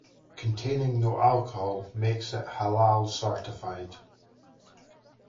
Containing no alcohol makes it halal-certified.